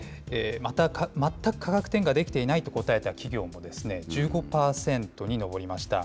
全く価格転嫁できていないと答えた企業も、１５％に上りました。